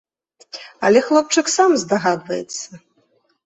Але хлопчык сам здагадваецца.